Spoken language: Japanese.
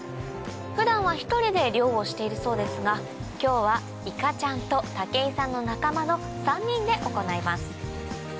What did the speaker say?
普段は１人で漁をしているそうですが今日はいかちゃんと武井さんの仲間の３人で行います